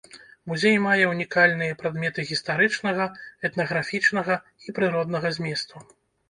Музей мае унікальныя прадметы гістарычнага, этнаграфічнага і прыроднага зместу.